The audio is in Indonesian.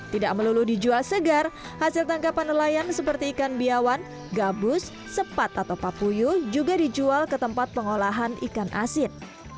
tidak melulu dijual segar hasil tangkapan nelayan seperti ikan biawan gabus sepat atau papuyu juga dijual ke tempat pengolahan ikan asin